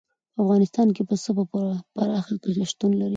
په افغانستان کې پسه په پراخه کچه شتون لري.